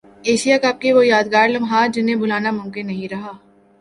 Asia Cup کے وہ یادگار لمحات جنہیں بھلانا ممکن نہیں رہا